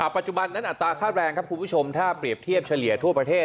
ปัจจุบันนั้นอัตราค่าแรงครับคุณผู้ชมถ้าเปรียบเทียบเฉลี่ยทั่วประเทศ